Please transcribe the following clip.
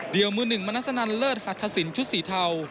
เดี๋ยวมือหนึ่งมนัสนันเลิศหัตถสินชุดสีเทา